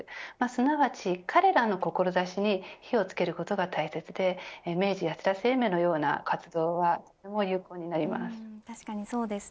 すなわち、彼らの志に火をつけることが大切で明治安田生命のような活動はとても有効になります。